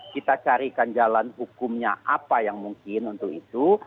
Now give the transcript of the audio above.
kita carikan jalan hukumnya apa yang mungkin untuk itu